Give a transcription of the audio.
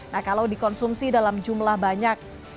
nah kalau dikonsumsi dalam jumlah banyak